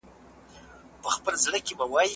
اوس ځيني خلک صبر نه کوي.